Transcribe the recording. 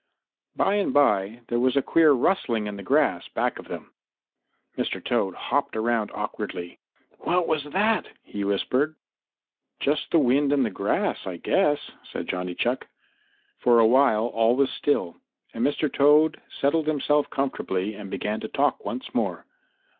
By and by there was a queer rustling in the grass back of them. Mr. Toad hopped around awkwardly. "What was that?" he whispered. "Just the wind in the grass, I guess," said Johnny Chuck. For a while all was still and Mr. Toad settled himself comfortably and began to talk once more.